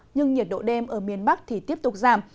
nhưng nhiệt độ đêm ở miền bắc thì tiếp tục giảm